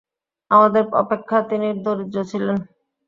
আমাদের অপেক্ষা তিনি দরিদ্র ছিলেন।